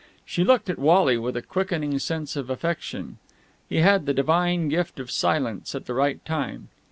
She looked at Wally with a quickening sense of affection. He had the divine gift of silence at the right time.